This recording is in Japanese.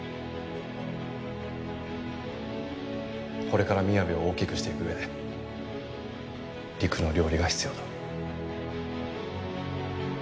これからみやべを大きくしていく上でりくの料理が必要だ。